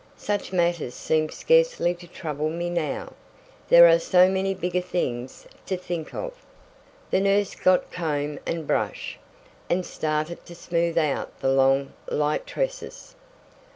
Such matters seem scarcely to trouble me now. There are so many bigger things to think of." The nurse got comb and brush, and started to smooth out the long, light tresses.